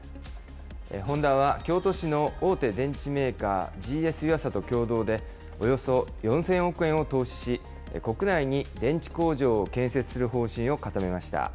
ホンダは京都市の大手電池メーカー、ＧＳユアサと共同で、およそ４０００億円を投資し、国内に電池工場を建設する方針を固めました。